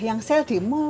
yang kemarin itu loh